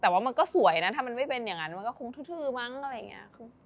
แต่ว่ามันก็สวยนะถ้ามันไม่เป็นอย่างนั้นมันก็คงทื้อมั้งอะไรอย่างนี้